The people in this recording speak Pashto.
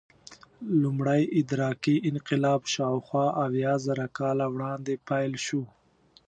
لومړی ادراکي انقلاب شاوخوا اویازره کاله وړاندې پیل شو.